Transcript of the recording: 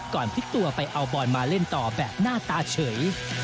พลิกตัวไปเอาบอลมาเล่นต่อแบบหน้าตาเฉย